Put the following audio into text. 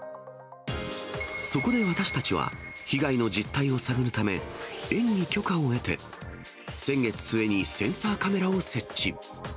そこで私たちは、被害の実態を探るため、園に許可を得て、先月末にセンサーカメラを設置。